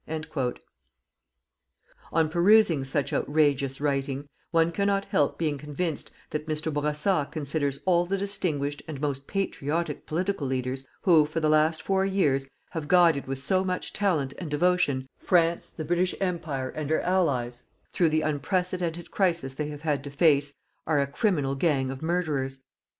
_" On perusing such outrageous writing, one cannot help being convinced that Mr. Bourassa considers all the distinguished and most patriotic political leaders who, for the last four years, have guided with so much talent and devotion France, the British Empire, and their Allies through the unprecedented crisis they have had to face, are a criminal gang of murderers.